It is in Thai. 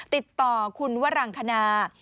ติดต่อคุณวรังคณา